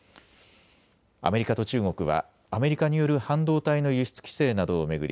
アメリカと中国はアメリカによる半導体の輸出規制などを巡り